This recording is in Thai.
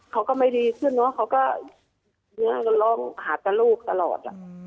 เขาก็ไม่ดีขึ้นเนอะเขาก็ลองหาตั้งลูกตลอด